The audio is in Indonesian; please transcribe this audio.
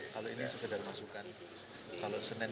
kalau ini sekedar masukan